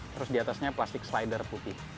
terus diatasnya plastik slider putih